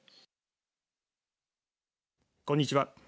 こんにちは。